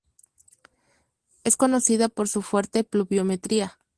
Es conocida por su fuerte pluviometría.